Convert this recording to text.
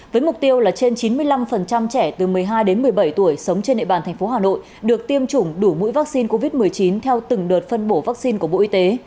với mục tiêu là trên chín mươi năm trẻ từ một mươi hai đến một mươi bảy tuổi sống trên địa bàn thành phố hà nội được tiêm chủng đủ mũi vaccine covid một mươi chín theo từng đợt phân bổ vaccine của bộ y tế